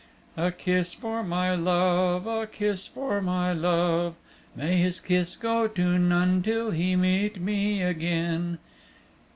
A kiss for my love, a kiss for my love, May his kiss go to none till he meet me again.